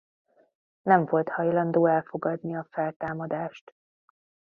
Nem volt hajlandó elfogadni a feltámadást.